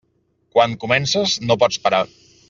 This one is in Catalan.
Quan comences, no pots parar.